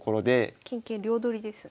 金桂両取りですね。